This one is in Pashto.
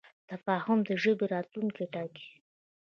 تفاهم د ژبې راتلونکی ټاکي.